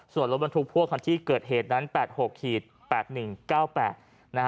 ส่วนระบันทุกพวกที่เกิดเหตุนั้น๘๖๘๑๙๘